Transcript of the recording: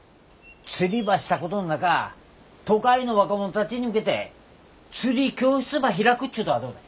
釣りばしたことんなか都会の若者たちに向けて釣り教室ば開くちゅうとやどうね？